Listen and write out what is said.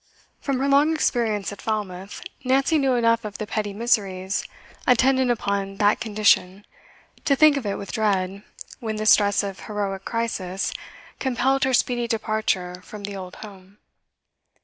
From her long experience at Falmouth, Nancy knew enough of the petty miseries attendant upon that condition to think of it with dread when the stress of heroic crisis compelled her speedy departure from the old home.